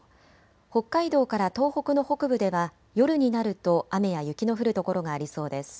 北海道から東北の北部では夜になると雨や雪の降る所がありそうです。